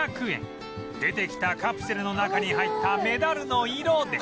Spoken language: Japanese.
出てきたカプセルの中に入ったメダルの色で